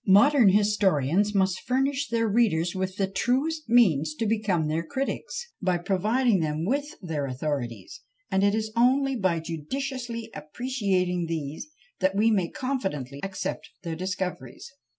Modern historians must furnish their readers with the truest means to become their critics, by providing them with their authorities; and it is only by judiciously appreciating these that we may confidently accept their discoveries.